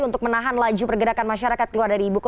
untuk menahan laju pergerakan masyarakat keluar dari ibuku